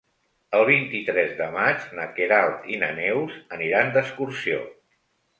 El vint-i-tres de maig na Queralt i na Neus aniran d'excursió.